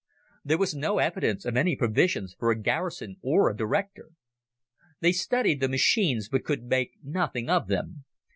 There was no evidence of any provisions for a garrison or a director. They studied the machines but could make nothing of them.